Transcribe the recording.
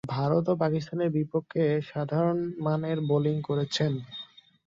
ভারত ও পাকিস্তানের বিপক্ষে সাধারণমানের বোলিং করেন।